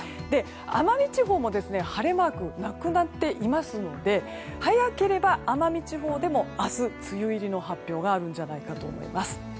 奄美地方も晴れマークがなくなっていますので早ければ奄美地方でも明日、梅雨入りの発表があるんじゃないかと思います。